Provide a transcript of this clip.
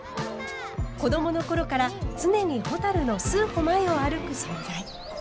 子どもの頃から常にほたるの数歩前を歩く存在。